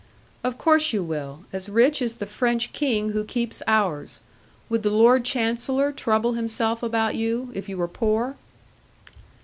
'Of course you will. As rich as the French King who keeps ours. Would the Lord Chancellor trouble himself about you, if you were poor?'